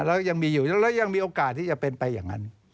แล้วยังมีโอกาสที่จะเป็นไปอย่างนั้น